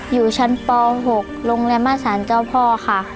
อยู่ชั้นป๖โรงเรียนมาสารเจ้าพ่อค่ะ